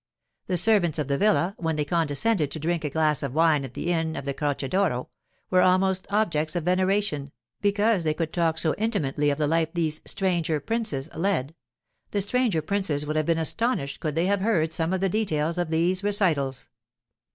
The servants of the villa, when they condescended to drink a glass of wine at the inn of the Croce d'Oro, were almost objects of veneration, because they could talk so intimately of the life these 'stranger princes' led—the stranger princes would have been astonished could they have heard some of the details of these recitals.